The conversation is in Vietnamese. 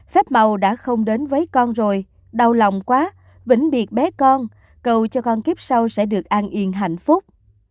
phép màu đã không đến với con rồi đau lòng quá vĩnh biệt bé con cầu cho con kiếp sau sẽ được an yên hạnh phúc